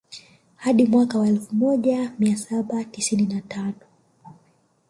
Hadi mwaka wa elfu moja mia saba tisini na tano